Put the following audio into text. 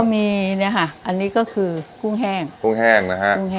ต้องมีเนี่ยค่ะอันนี้ก็คือคุ้งแห้งคุ้งแห้งนะฮะ